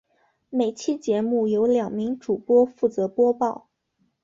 每期节目由两名主播负责播报。